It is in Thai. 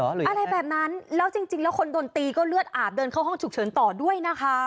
อะไรแบบนั้นแล้วจริงแล้วคนโดนตีก็เลือดอาบเดินเข้าห้องฉุกเฉินต่อด้วยนะคะ